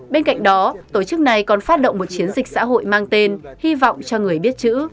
bên cạnh đó tổ chức này còn phát động một chiến dịch xã hội mang tên hy vọng cho người biết chữ